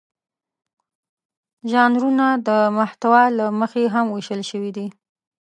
ژانرونه د محتوا له مخې هم وېشل شوي دي.